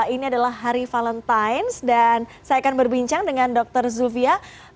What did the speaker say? ini adalah hari valentines dan saya akan berbincang dengan dr zufia